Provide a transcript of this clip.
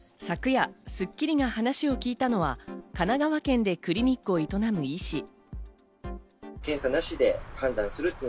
昨夜『スッキリ』に話を聞いたのは、神奈川県でクリニックを営む医師。